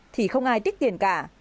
thì không ai tích tiền cả